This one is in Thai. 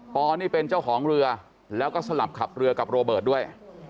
อนี่เป็นเจ้าของเรือแล้วก็สลับขับเรือกับโรเบิร์ตด้วย